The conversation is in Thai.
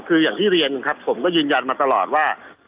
คืออย่างที่เรียนครับผมก็ยืนยันมาตลอดว่า